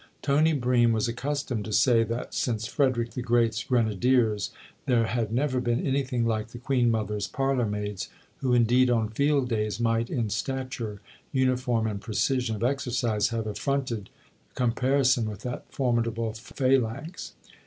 Tony Bream was accustomed to say that since Frederick the Great's grenadiers there had never been anything like the queen mother's parlourmaids, who indeed on field days might, in stature, uniform and precision of exercise, have affronted comparison with that formidable phalanx.